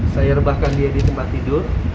saya rebahkan dia di tempat tidur